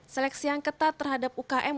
seleksi yang ketat terhadap ukm